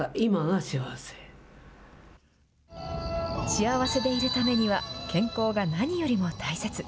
幸せでいるためには、健康が何よりも大切。